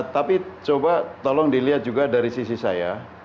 tapi coba tolong dilihat juga dari sisi saya